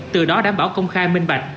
từ đó đảm bảo công khai minh bạch